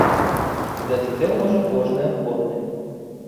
Узяць удзел можа кожны ахвотны.